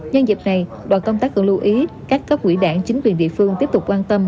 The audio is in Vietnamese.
nhân dịp này đoàn công tác cũng lưu ý các cấp quỹ đảng chính quyền địa phương tiếp tục quan tâm